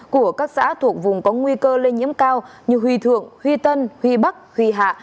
của các xã thuộc vùng có nguy cơ lây nhiễm cao như huy thượng huy tân huy bắc huy hạ